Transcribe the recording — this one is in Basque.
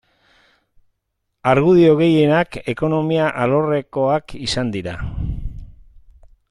Argudio gehienak ekonomia alorrekoak izan dira.